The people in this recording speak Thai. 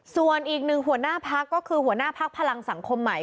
ส่วนอีกหนึ่งหัวหน้าพักก็คือหัวหน้าพักพลังสังคมใหม่